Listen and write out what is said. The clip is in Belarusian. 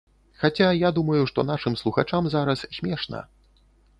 Хаця, я думаю, што нашым слухачам зараз смешна.